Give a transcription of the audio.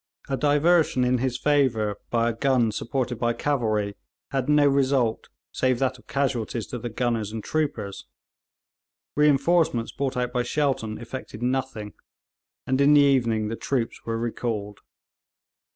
A diversion in his favour by a gun supported by cavalry had no result save that of casualties to the gunners and troopers; reinforcements brought out by Shelton effected nothing, and in the evening the troops were recalled.